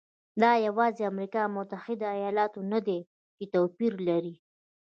دا یوازې امریکا متحده ایالات نه دی چې توپیر لري.